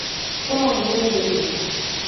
Kpo ngugbedome.